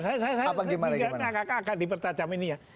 saya nggak akan dipertajam ini ya